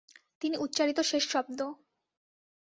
তিনি উচ্চারিত শেষ শব্দ।